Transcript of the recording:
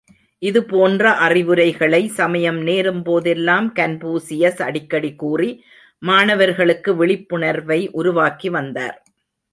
இதுபோன்ற அறிவுரைகளை சமயம் நேரும் போதெல்லாம் கன்பூசியஸ் அடிக்கடி கூறி மாணவர்களுக்கு விழிப்பணர்வை உருவாக்கி வந்தார்.